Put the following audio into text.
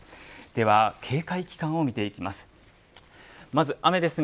では警戒期間を見ていきます。